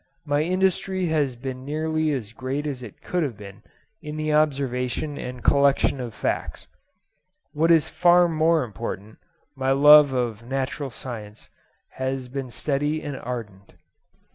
My industry has been nearly as great as it could have been in the observation and collection of facts. What is far more important, my love of natural science has been steady and ardent.